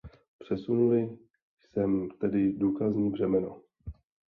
Přesunuli jsem tedy důkazní břemeno.